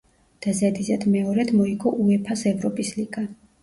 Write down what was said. და ზედიზედ მეორედ მოიგო უეფა-ს ევროპის ლიგა.